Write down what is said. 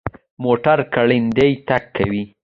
موټر ګړندی تګ کوي